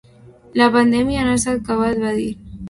“La pandèmia no s’ha acabat”, va dir.